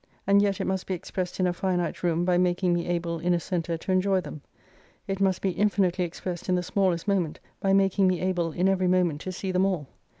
And yet it must be expressed in a finite room by making me able in a centre to enjoy them. It must be infinitely exprest in the smallest moment by making me able in every moment to see them all.